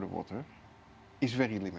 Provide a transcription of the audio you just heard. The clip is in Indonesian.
sangat terbatas saat ini